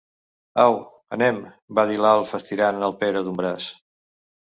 Au, anem —va dir l'Alf, estirant el Pere d'un braç.